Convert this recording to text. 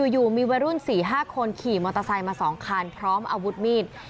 อยู่มีวัยรุ่น๔๕คนขี่มอเตอร์ไซค์มา๒คันพร้อมอาวุธมีด